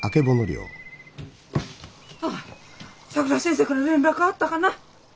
あっさくら先生から連絡あったかな？